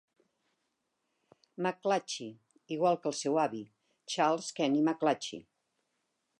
McClatchy, igual que el seu avi, Charles Kenny McClatchy.